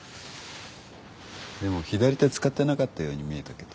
でも左手使ってなかったように見えたけど。